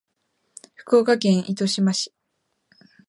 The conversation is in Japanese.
福岡県糸島市